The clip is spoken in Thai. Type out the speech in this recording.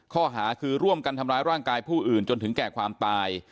ข้อหาคือร่วมกันทำร้ายร่างกายผู้อื่นจนถึงแก่ความตาย